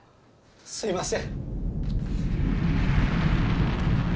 すいません。